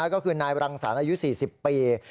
แล้วก็คือนายพรังศาลอายุ๔๐ปี